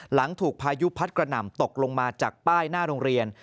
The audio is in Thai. หลังถูกพายุพัดกระหน่ำตกลงมาจากป้ายหน้าโรงเรียน